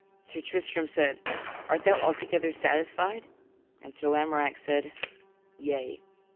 Sir Tristram said, "Art thou altogether satisfied?" And Sir Lamorack said, "Yea."